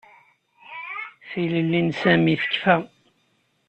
Tilelli n Sami tekfa.